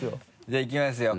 じゃあいきますよ